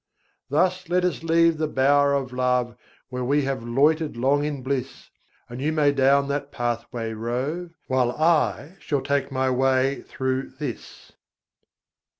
Thus let us leave the bower of love, Where we have loitered long in bliss; And you may down that pathway rove, While I shall take my way through this.